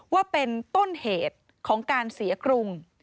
ว่าเป็นต้นเหตุของการเสียกรุง